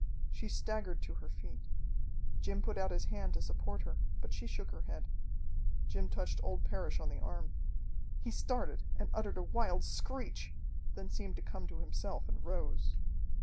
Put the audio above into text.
She staggered to her feet. Jim put out his hand to support her, but she shook her head. Jim touched old Parrish on the arm. He started and uttered a wild screech; then seemed to come to himself and rose.